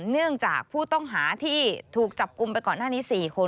เนื่องจากผู้ต้องหาที่ถูกจับกลุ่มไปก่อนหน้านี้๔คน